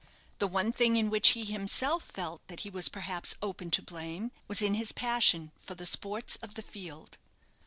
The one thing in which he himself felt that he was perhaps open to blame, was in his passion for the sports of the field.